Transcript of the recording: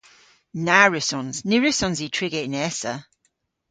Na wrussons. Ny wrussons i triga yn Essa.